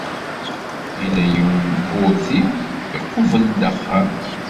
Yella yiwen n wurti iqubel-d axxam.